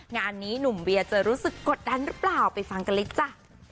งานนี้หนุ่มเวียจะรู้สึกกดดันหรือเปล่าไปฟังกันเลยจ้ะ